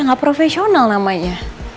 gak profesional namanya